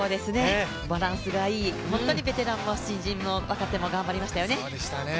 バランスがいい、ベテランも新人も若手も頑張りましたよね。